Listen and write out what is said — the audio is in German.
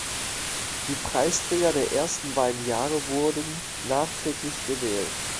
Die Preisträger der ersten beiden Jahre wurden nachträglich gewählt.